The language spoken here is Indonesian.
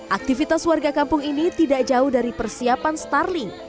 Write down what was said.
aktivitas warga kampung ini tidak jauh dari persiapan starling